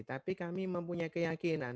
tapi kami mempunyai keyakinan